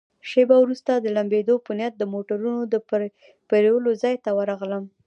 شیبه وروسته د لمبېدو په نیت د موټرونو د پرېولو ځای ته ورغلم.